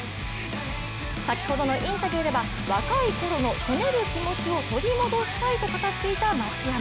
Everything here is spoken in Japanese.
先ほどのインタビューでは若いころの攻める気持ちを取り戻したいと語っていた松山。